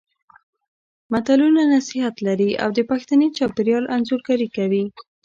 متلونه نصيحت لري او د پښتني چاپېریال انځورګري کوي